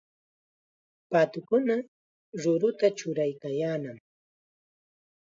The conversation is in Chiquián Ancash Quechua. Paatukuna ruruta churaykaayannam.